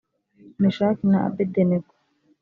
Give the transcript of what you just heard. Meshaki na Abedenego